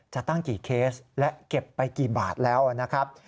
จะตั้งกี่เคสและเก็บไปกี่บาทแล้วนะครับ